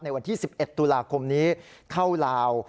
วันที่๑๑ตุลาคมนี้เข้าลาว